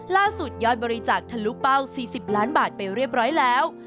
ยอดบริจาคทะลุเป้า๔๐ล้านบาทไปเรียบร้อยแล้ว